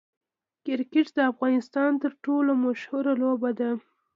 کرکټ د افغانستان تر ټولو مشهوره لوبه ده.